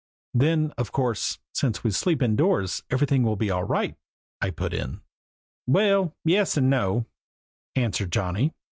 "Then, of course, since we sleep indoors everything will be all right," I put in. "Well, yes and no," answered Johnny.